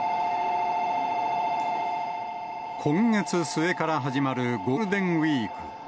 今月末から始まるゴールデンウィーク。